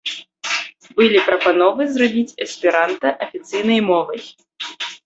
Былі прапановы зрабіць эсперанта афіцыйнай мовай.